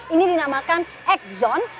ini dinamakan egg zone